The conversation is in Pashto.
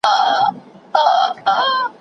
اورېدلي یې زاړه وراسته نکلونه